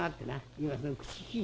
今その口利き」。